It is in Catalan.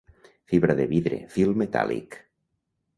Fibra de vidre, Fil metàl·lic.